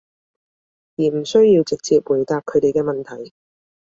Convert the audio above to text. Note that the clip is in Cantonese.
而唔需要直接回答佢哋嘅問題